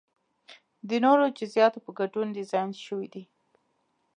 د نورو جزئیاتو په ګډون ډیزاین شوی دی.